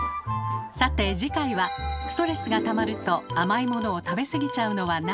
さて次回は「ストレスがたまると甘いものを食べ過ぎちゃうのはなぜ？」